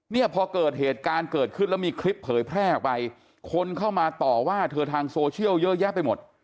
เนี่ยพอเกิดเหตุการณ์เกิดขึ้นแล้วมีคลิปเผยแพร่ออกไปคนเข้ามาต่อว่าเธอทางโซเชียลเยอะแยะไปหมด